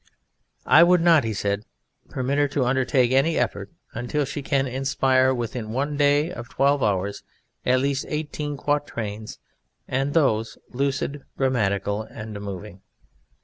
"I would not," he said, "permit her to undertake any effort until she can inspire within one day of twelve hours at least eighteen quatrains, and those lucid, grammatical, and moving.